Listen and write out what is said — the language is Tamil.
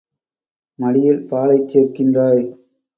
மடியில் பாலைச் சேர்க்கின்றாய்.